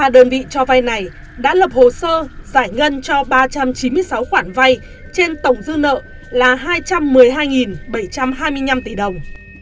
ba đơn vị cho vay này đã lập hồ sơ giải ngân cho ba trăm chín mươi sáu khoản vay trên tổng dư nợ là hai trăm một mươi hai bảy trăm hai mươi năm tỷ đồng